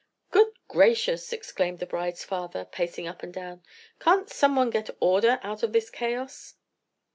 "Good gracious!" exclaimed the bride's father, pacing up and down, "can't someone get order out of this chaos?"